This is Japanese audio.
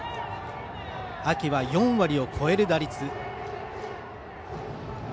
秋は４割を越える打率。